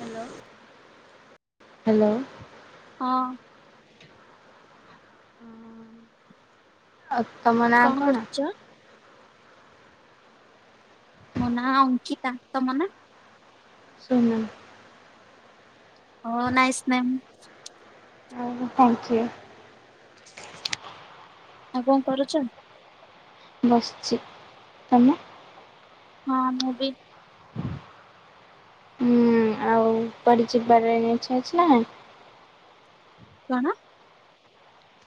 Hello hello. ହଁ। ହଁ। ଆଉ ତମ ନାଁ କଣ? ମୋ ନା ଅଙ୍କିତା ତମ ନା? ଶ [unintelligible] ହଁ ନାଇସ୍ ନେ ମ୍। ଥଙ୍କ ୟୁ। ଆଉ କଣ କରୁଛ? ବସିଛି ତମେ? ହଁ ମୁଁ ବି ପଚ ଚଛା ଅଛି ନା ନାହିଁ। କଣ?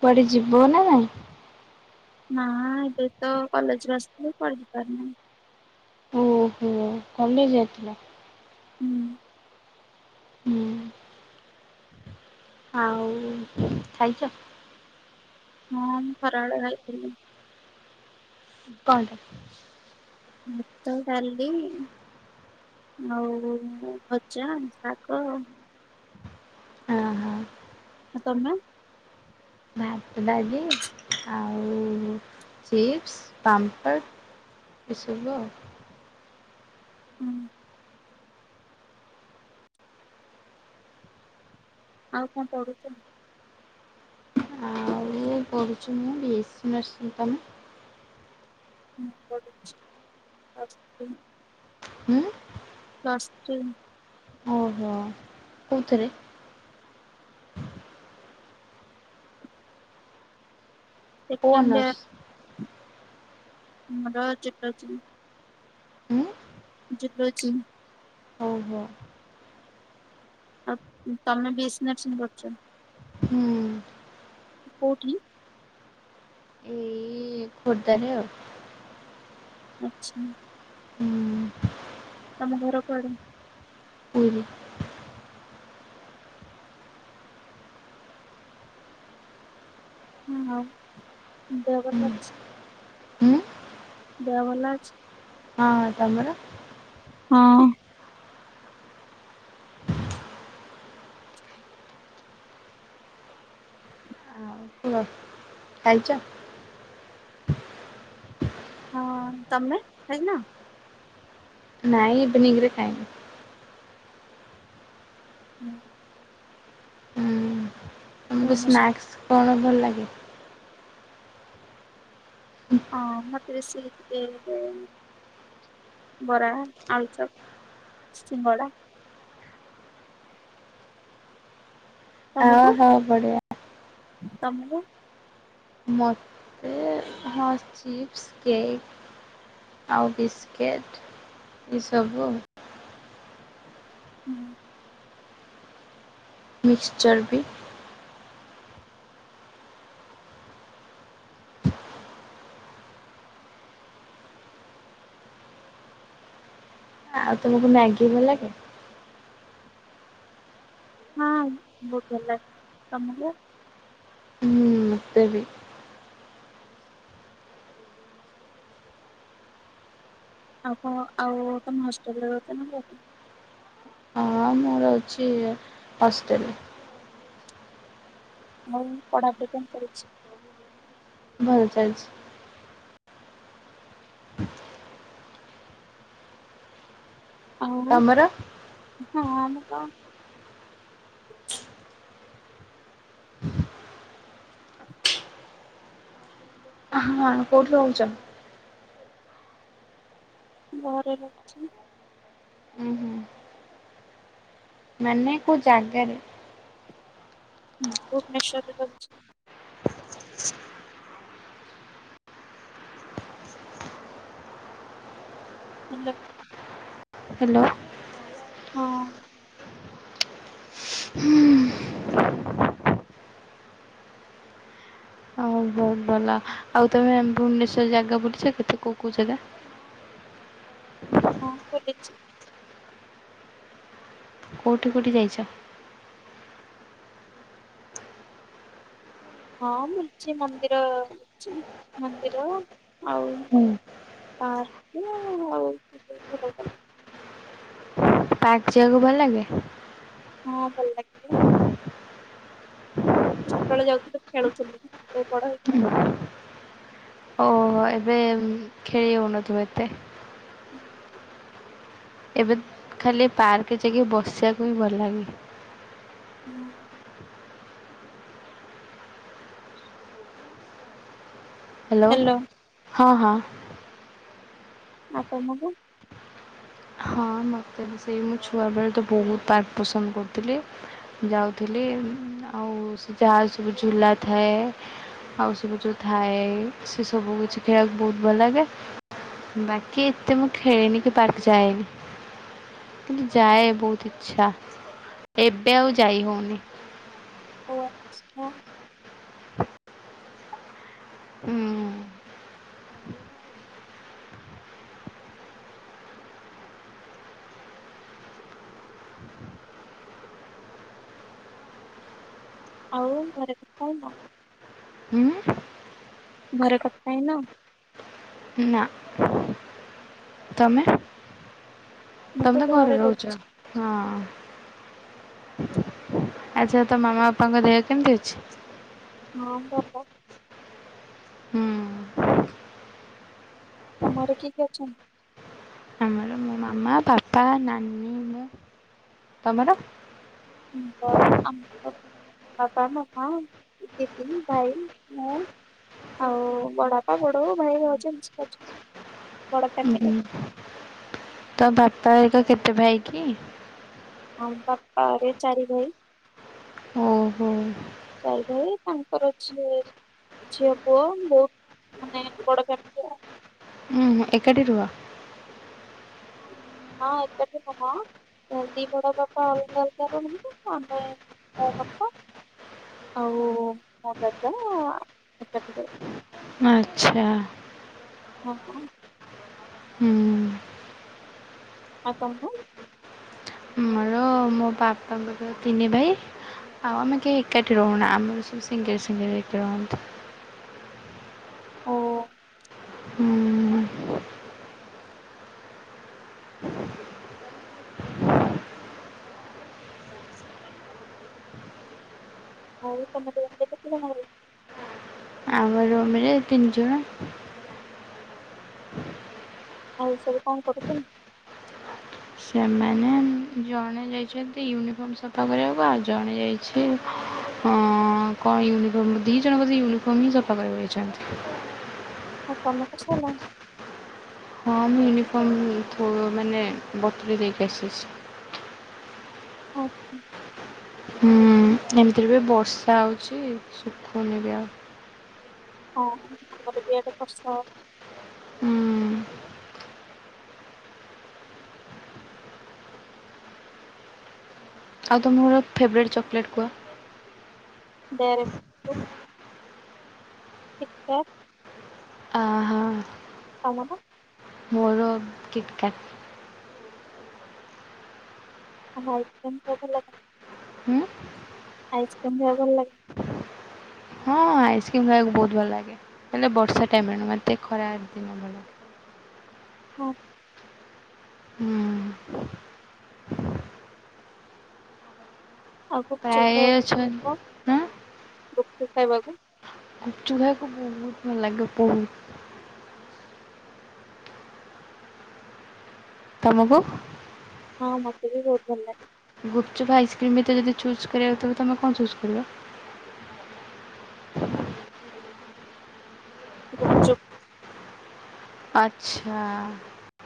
କୁଆଡେ ଯିବ ନା ନାଇଁ। ନା ଏବେ ତ କଲେଜରୁ ଆସିଥିଲି ପଢି ପାରୁନି। ଓହୋ କମେଇ ଯାଇଥିଲ। ହୁଁ। ହୁଁ ଆଉ ଖାଇଛ। ହଁ ଖରା ବେଳେ ହେଇଥିଲି। ପାଟ [unintelligible] ଭାତ ଡାଲି। ଆଉ ଭଜା ଶାଗ। ହଁ ହଁ ଆ ତମେ? ଭାତ ଡାଲି ଆଉ ଚିପ୍ସ ପାମ୍ପଡ଼। ଏସବୁ ଆଉ। ହୁଁ। ଆଉ କଣ ପଢୁଚ? ମୁଁ ପଢୁଛି ମୁଁ ବି ଏସି ନର୍ସିଂ ତମେ? ମୁଁ ପଢୁଛି ଆର୍ଟସ ଇନ୍। ହୁଁ? ନର୍ସ ଷ୍ଟିନ। ଅ କୋଉଥେରେ? କୋଉ ସେକେଣ୍ଡ ଅନର୍ସ? ଇଅର। ଆମର [unintelligible] ହୁଁ [unintelligible] ଓହ। ଆଉ ତମେ ବି ଏସି ନସିଂ କରୁଚ? ହୁଁ କୋଉଠି? ଏଇ। ଏଇ ଖୋର୍ଦ୍ଧାରେ ଆଉ। ଆଚ୍ଛା। ହୁଁ ତମ ଘର କୁଆଡେ? ପୁରୀ ହୁଁ ଆଉ ଦେହ ହୁଁ ଭଲ ଅଛି? ହୁଁ ଦେହ ଭଲ ଅଛି? ହଁଁ ତମର? ହଁ। ଖାଇଚ? ହଁ ତମେ ଖାଇନ? ନାଇଁ ଇଭିନିଙ୍ଗରେ ଖାଇନି। ହୁଁ। ହୁଁ ହଁ ତମକୁ ସ୍ନାକ୍ସ କଣ ଭଲ ଲାଗେ? ଅଁ ମତେ ବେଶୀ ଏ। ବରା ଆଳୁଚପ୍ ସିଙ୍ଗଡା। ଅ ତମକୁ ହଉ ବଢ଼ିଆ ତମୁକୁ? ମତେ ହଁ ଚିପ୍ସ କେକ୍। ଆଉ ବିସ୍କେଟ୍ ଏସବୁ ଆଉ। ହୁଁ। ମିକ୍ସଚର୍ ବି। ଆଉ ତମକୁ ମ୍ୟାଗି ଭଲଲାଗେ? ହଁ ବହୁତ୍ ଭଲଲାଗେ ତମୁକୁ? ମତେ ବି। ଆପଣ ଆଉ କଣ ଆଉ ତମେ ହଷ୍ଟେଲରେ ରହୁଚ ନା ଘରେ? ହଁ ମୁଁ ରହୁଛି ହଷ୍ଟେଲ୍ ରେ। ଆଉ ପଢାପଢି କେମ୍ ଚାଲିଛି? ଭଲ ଚାଲିଛି। ଆଉ ତମର ହଁ ଆମର ତ ହଁ କୋଉଠି ରହୁଛ? ଘରେ ରହୁଛି। ଉଁ ହୁଁ। ମାନେ କୋଉ ଜାଗାରେ। ଭୁବନେଶ୍ଵରରେ ରହୁଛି। ହେଲୋ। ହ୍ୟାଲୋ। ହଁ। ହୁଁ। ହଉ ବହୁତ ଭଲ ଆଉ ତମେ ଭୁବନେଶ୍ୱର ଜାଗା ବୁଲିଛ କେତେ କୋଉ କୋଉ ଜାଗା। ହଁ ବୁଲିଛି। କୋଉଠି କୋଉଠି ଯାଇଛ। ହଁ ବୁଲିଛି ମନ୍ଦିର ବୁଲିଛି ମନ୍ଦିର ଆଉ ହୁଁ। ପାର୍କ ଆଉ ପାର୍କ ଯିବାକୁ ଭଲ ଲାଗେ। ହଁ ଭଲ ଲାଗେ। ଛୋଟବେଳେ ଯାଉଥିଲି ଖେଳୁଥିଲି ଏବେ ବଡ଼ ହେଇକି ହଁ। ଓ ଏବେ ଖେଳି ହଉନଥିବ ଏତେ। ଏବେ ଖାଲି ପାର୍କରେ ଯାଇକି ବସିବାକୁ ହିଁ ଭଲ ଲାଗେ। ହଁ। ହ୍ୟାଲୋ ହଁ ହଁ। ଆଉ ତମକୁ ହଁ ମୋତେ ସେଇ ମୁଁ ଛୁଆବେଳେ ତ ବହୁତ ପାର୍କ ପସନ୍ଦ କରୁଥିଲି। ଯାଉଥିଲି ଆଉ ସେ ଯାହା ସବୁ ଝୁଲା ଥାଏ ଆଉ ସବୁ ଯୋଉ ଥାଏ ସେ ସବୁ କିଛି ଖେଳିବାକୁ ବହୁତ ଭଲ ଲାଗେ। ବାକି ଏତେ ମୁଁ ଖେଳିନି କି ପାର୍କ ଯାଏନି। କିନ୍ତୁ ଯାଏ ବହୁତ ଇଚ୍ଛା ଏବେ ଆଉ ଯାଇ ହଉନି। [unintelligible] ହୁଁ ଆଉ ଘରେ କଥା ହେଇନ। ହୁଁ। ଘରେ କଥା ହେଇନ। ନା। ତମେ। ତମେ ତ ଘରେ ରହୁଛ ହଁ। ଆଚ୍ଛା ତ ମାମା ବାପାଙ୍କ ଦେହ କେମିତି ଅଛି? ହଁ ଭଲ। ହୁଁ ତମର କିଏ କି ଏ ଅଛନ୍ତି। ଆମ ପାପା ନନୀ ମୁ ତମର? ମୁ ଆମ [unintelligible] ବାପା ମମା ଦିଦି ଭାଇ ମୁଁ। ଆଉ ବଡାପା ବଡ ହଉ ଭାଇ ଭାଉଜ ଅଛୁ। ତ ବାପାିକ କେତେ ଭାଇ କି? ଆଁ ବାପା ଘରିକା ଚାରି ଭାଇ। ଓହୋ। ଚାରିଟା ଏଇ ପାଞ୍ଚଟାରେ ଉଠିଲି। ଝିଅ ପୁଅ ବହୁତ ମାନେ ବଡ [unintelligible] ହଁଁ ଏକାଠି ରୁହ? ହଁ ଏକାଠି [unintelligible] ଦି ବଡ ବାପା ଅଲଗା ଅଲଗା ରୁହନ୍ତି ଆମେ ବାପା ଆଉ ମୋ ଦାଦା ଏକାଠି ରହୁ। ଆଛା। ହଁ ହଁ। ହୁଁ। ଆଉ ତମର? ଆମର ମୋ ବାପାଙ୍କର ତିନି ଭାଇ। ଆଉ ଆମେ କେହି ଏକାଠି ରହୁନା ଆମର ସବୁ ସିଙ୍ଗିଲ୍ ସିଙ୍ଗିଲ ହେଇକି ରହନ୍ତି। ଓ ହୁଁ ଆଉ ତମର କେତେ ଜଣ ଭାଇ? ଆମର ଆମେ ଏ ତିନିଜଣ। ଆଉ ସବୁ କଣ କରୁଛନ୍ତି? ସେମାନେ ଜଣେ ଯାଇଛନ୍ତି ୟୁନିଫର୍ମ ସଫା କରିବାକୁ ଆଉ ଜଣେ ଯାଇ ଛି ଅ କଣ ୟୁନିଫର୍ମ ଦି ଜଣ ବୋଧେ ୟୁନିଫର୍ମ ହିଁ ସଫା କରିବାକୁ ଯାଇଛନ୍ତି। ଆଉ ତମର ସରିଲା? ହଁ ମୁଁ ୟୁନିଫର୍ମ ଥୋ ମାନେ ବତୁରେଇ ଦେଇକି ଆସିଛି। ଆଚ୍ଛା। ହୁଁ ଏମିତିରେ ବି ବର୍ଷା ହେଉଛି ଶୁଖୁନି ବି ଆଉ। ହଁ ଆମର ବି ଇଆଡ଼େ ବର୍ଷା ହୋଉଛି। ହୁଁ ଆଉ ତମର ଫେବରାଇଟ୍ ଚକଲେଟ୍ କୁହ? ଡେରି କିଟକାଟ। ଅହ। ତମର? ମୋର କିଟକାଟ। ଆଉ ଆଇସ୍କ୍ରମ୍ କେମିତି ଲାଗେ? ଉଁ। ଆଇସ୍କ୍ରିମ୍ ଖାଇବାକୁ ଭଲ ଲାଗେ? ହଁ ଆଇସ୍କ୍ରିମ୍ ଖାଇବାକୁ ବହୁତ ଭଲ ଲାଗେ ହେଲେ ବର୍ଷା ଟାଇମରେ ନୁହେଁ ଟିକେ ଖରା ଦିନ ଭଲ। ହଁ। ହୁଁ। ଆଉ ଗୁପଚୁପ ପ୍ରାୟ ଅଛନ୍ତି ଖାଇବାକୁ ହଁ [inaudible] ଗୁପଚୁପ ଖାଇବାକୁ? ଗୁପଚୁପ୍ ଖାଇବାକୁ ବହୁତ ଭଲ ଲାଗେ ବହୁତ। ତମକୁ? ହଁ ମତେ ବି ବହୁତ ଭଲ ଲାଗେ। ଗୁପଚୁପ ଆଇସ୍କ୍ରିମ୍ ଭିତରେ ଯଦି ଚୁଜ୍ କରିବାକୁ ତେବେ ତମେ କଣ ଚୁଜ୍ କରିବ? ହୁ। ଗୁପଚୁପ। ଆଚ୍ଛା!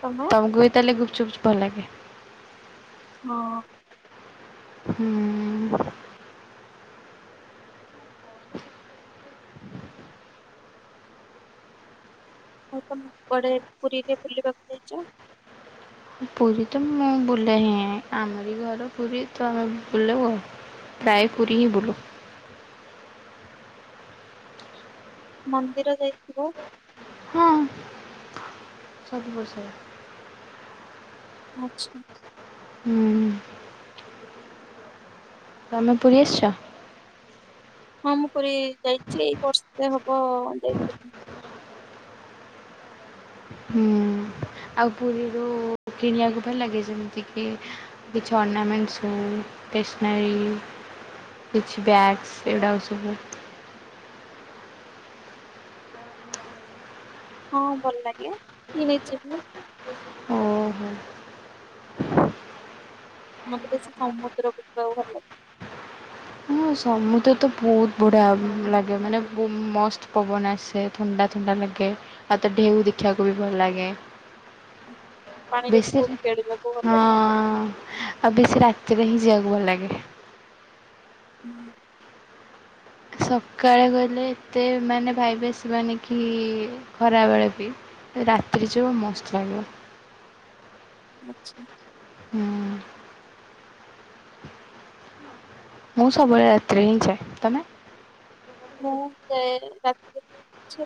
ତମେ ତମକୁ ବି ତାହେଲେ ଗୁପୁଚୁପୁ ଚୁପ୍ ଭଲ ଲାଗେ? ହଁ। ହୁଁ। ହଁ ତମେ କୁଆଡ଼େ ପୁରୀରେ ବୁଲିବାକୁ ଯାଇଛ? ପୁରୀ ତ ମୁଁ ବୁଲେ ହିଁ ଆମରୀ ଘର ପୁରୀ ତ ଆମେ ବୁଲୁ। ପ୍ରାୟ ପୁରୀ ହିଁ ବୁଲୁ। ମନ୍ଦିର ଯାଇଥିବ? ଆଜି ବର୍ଷା ହୋଉଛି। ଆଚ୍ଛା। ହୁଁ। ତମେ ପୁରୀ ଆସିଛ? ହଁ ମୁଁ ପୁରୀ ଯାଇଛି, ଏଇ ବର୍ଷ ତେ ହେବ ଯାଇପାରିନି। ହୁଁ। ଆଉ ପୁରୀରୁ କିଣିବାକୁ ଭଲ ଲାଗେ ଯେମିତିକି କିଛି ଅର୍ନାମେଣ୍ଟସ ହୋଉ, ଷ୍ଟେସନରୀ? କିଛି ବ୍ୟାଗ୍ସ ଏଗୁଡ଼ାକ ସବୁ ହଁ ଭଲ ଲାଗେ କିଣିଛି ବି। ଓହୋ ମତେ ବେଶୀ ସମୁଦ୍ର କୁ ଯିବାକୁ ଭଲ ଲାଗେ। ହୁଁ ସମୁଦ୍ର ତ ବହୁତ ବଢ଼ିଆ ଲାଗେ ମାନେ ବୁ ମସ୍ତ ପବନ ଆସେ। ଥଣ୍ଡା ଥଣ୍ଡା ଲାଗେ, ଆଉ ମତେ ଢ଼େଉ ଦେଖିବାକୁ ବି ଭଲ ଲାଗେ। ଲାଗେ ପାଣିରେ ବି ବେଶୀରେ ବହୁତ ଖେଳିବାକୁ ଭଲ ହଁ। ଲାଗେ ଆଉ ବେଶୀ ରାତିରେ ହିଁ ଯିଆକୁ ଭଲ ଲାଗେ। ହୁଁ। ସକାଳେ ଗଲେ ଏତେ ମାନେ ଭାଇବେସିବାନି କି ଖରାବେଳେ ବି ରାତିରେ ଯିବ ମସ୍ତ ଲାଗିବ। ଆଚ୍ଛା। ହୁଁ ମୁଁ ସବୁବେଳେ ରାତିରେ ହିଁ ଯାଏ। ତମେ? ମୁଁ [unintelligible] ରାତି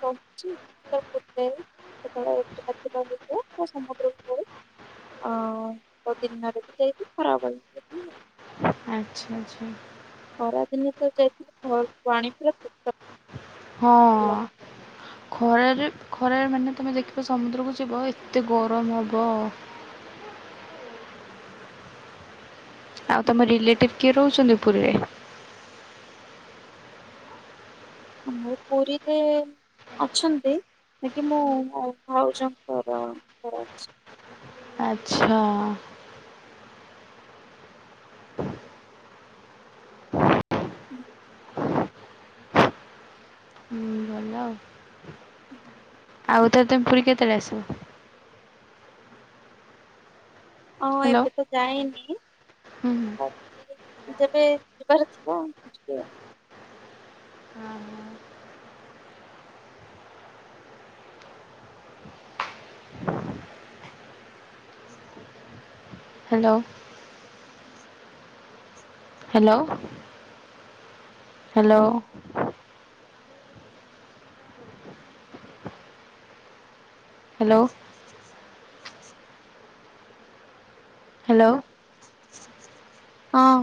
ରହିଛି [unintelligible] ସେତେବେଳେ [unintelligible] ଯିବ ମୁଁ ସମୁଦ୍ରକୁ ପଳେଇବି। ଅ ବହୁତ ଦିନ ଧରିକି ଯାଇକି ଖରାବେଳେ ଯିବି ଆଉ। ଆଚ୍ଛା ଆଚ୍ଛା। ଖରାଦିନେ ତ ଯାଇଥିଲି [unintelligible] ହଁ। ଖରାରେ ଖରାରେ ମାନେ ତମେ ଦେଖିବ ସମୁଦ୍ରକୁ ଯିବ ଏତେ ଗରମ ହବ। ଆଉ ତମ ରିଲେଟିଭ୍ କିଏ ରହୁଛନ୍ତି ପୁରୀରେ? ମୁଁ ପୁରୀରେ ଅଛନ୍ତି କିି ମୁଁ ମୋ ଭାଉଜଙ୍କର [unintelligible] ଆଚ୍ଛା। ହୁଁ। ହୁଁ ଭଲ ଆଉ। ଆଉଥରେ ତମେ ପୁରୀ କେତେଳେ ଆସିବ? ହଁ ହ୍ୟାଲୋ। ଏବେ ତ ଯାଇନି ହୁଁ ହୁଁ। [unintelligible] ଯେବେ ଯିବାର ଥିବ ଯବି। ଆଉ। Hello. Hello hello. Hello. Hello. ହଁ।